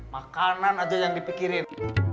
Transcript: makanan aja yang dipikirin